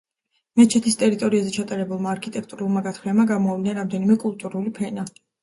მეჩეთის ტერიტორიაზე ჩატარებულმა არქიტექტურულმა გათხრებმა გამოავლინა რამდენიმე კულტურული ფენა.